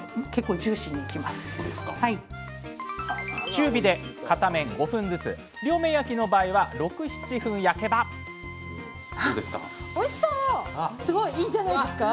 中火で片面５分ずつ両面焼きの場合は６７分焼けばすごいいいんじゃないですか？